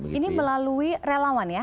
ini melalui relawan ya